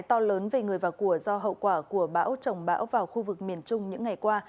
to lớn về người và của do hậu quả của bão trồng bão vào khu vực miền trung những ngày qua